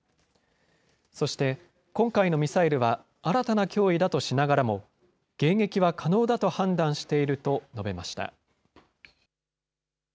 そして、今回のミサイルは新たな脅威だとしながらも、迎撃は可能だと判断していると述べました。